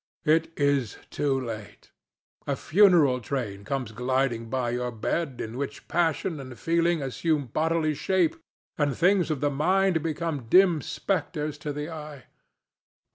It is too late. A funeral train comes gliding by your bed in which passion and feeling assume bodily shape and things of the mind become dim spectres to the eye.